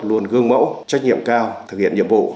luôn gương mẫu trách nhiệm cao thực hiện nhiệm vụ